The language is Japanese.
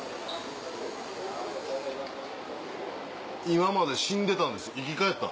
今まで死んでたんです生き返った。